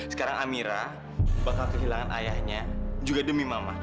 sekarang amira bakal kehilangan ayahnya juga demi mama